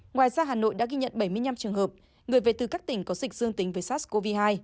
ngoài ra hà nội đã ghi nhận bảy mươi năm trường hợp người về từ các tỉnh có dịch dương tính với sars cov hai